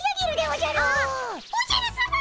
おじゃるさま！